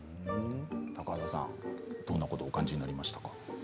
高畑さん、どんなことをお感じになりましたか？